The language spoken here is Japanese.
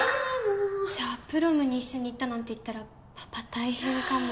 じゃあプロムに一緒に行ったって言ったらパパ大変かも・